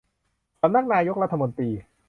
สำนักนายกรัฐมนตรี